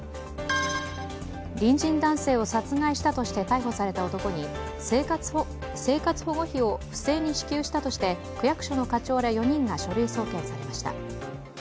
隣人男性を殺害したとして逮捕された男に生活保護費を不正に支給したとして区役所の課長ら４人が書類送検されました。